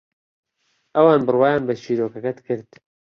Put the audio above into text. ئەوان بڕوایان بە چیرۆکەکەت کرد.